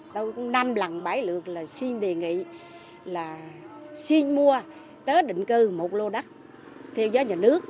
tôi cũng năm lần bảy lượt là xin đề nghị là xin mua tới định cư một lô đất theo giá nhà nước